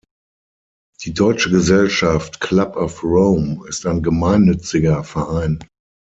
Die Deutsche Gesellschaft Club of Rome ist ein gemeinnütziger Verein.